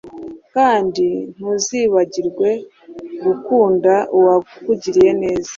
kandi ntuzibagirwe gukunda uwakugiriye neza